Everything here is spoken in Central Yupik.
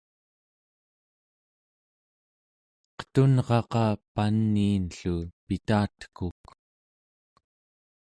qetunraqa paniin-llu pitatekuk